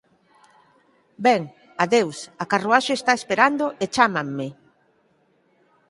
Ben, adeus, a carruaxe está esperando e chámanme.